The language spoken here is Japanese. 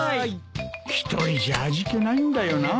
一人じゃ味気ないんだよな。